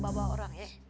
udah kembabah orang ya